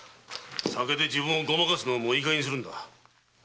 酒で自分をごまかすのもいいかげんにするんだ。